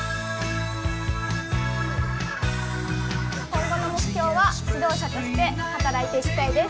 今後の目標は、指導者として働いていきたいです。